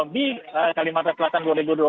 di kalimantan selatan dua ribu dua puluh